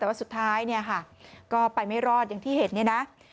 แต่ว่าสุดท้ายเนี่ยค่ะก็ไปไม่รอดอย่างที่เห็นเนี่ยนะ